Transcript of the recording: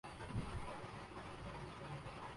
بہرحال یہ ضمنی بحث ہے۔